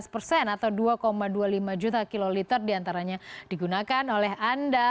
lima belas persen atau dua dua puluh lima juta kiloliter diantaranya digunakan oleh anda